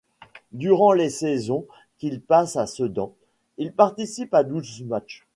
Durant les saisons qu'il passe à Sedan, il participe à douze matchs.